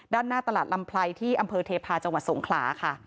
ด้านหน้าตลาดลำไพรที่อำเภอเทพาะจังหวัดสงขลาค่ะ